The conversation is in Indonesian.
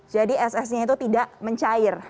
jadi es esnya itu tidak mencair